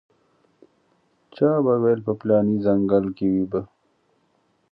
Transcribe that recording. چا به ویل په پلاني ځنګل کې وي به.